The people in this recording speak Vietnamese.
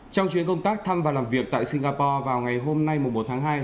trong chuyến công tác thăm và làm việc tại singapore vào ngày hôm nay một tháng hai